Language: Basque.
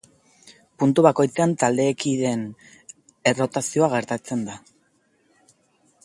Puntu bakoitzean taldekideen errotazioa gertatzen da.